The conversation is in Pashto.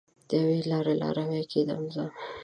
د یوې لارې لاروی کیدم زه